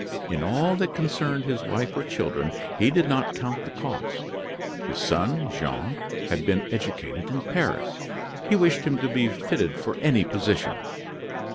In all that concerned his wife or children, he did not count the cost. His son, Jean, had been educated in Paris; he wished him to be fitted for any position.